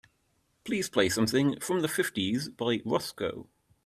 Please play something from the fifties by Roscoe